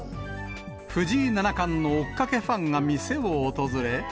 藤井七冠の追っかけファンが店を訪れ。